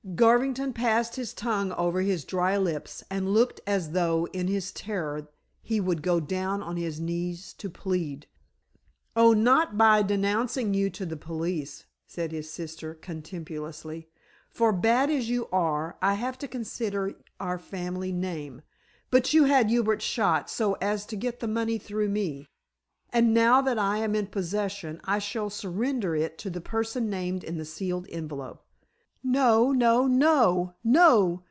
Garvington passed his tongue over his dry lips, and looked as though in his terror he would go down on his knees to plead. "Oh, not by denouncing you to the police," said his sister contemptuously. "For, bad as you are, I have to consider our family name. But you had Hubert shot so as to get the money through me, and now that I am in possession I shall surrender it to the person named in the sealed envelope." "No! No!